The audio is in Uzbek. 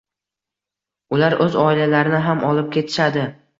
ular o‘z oilalarini ham olib ketishadi.